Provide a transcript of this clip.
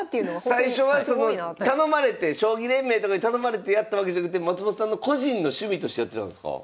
最初はその頼まれて将棋連盟とかに頼まれてやったわけじゃなくて松本さんの個人の趣味としてやってるわけですか？